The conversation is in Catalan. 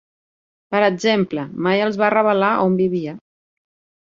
Per exemple, mai els va revelar on vivia.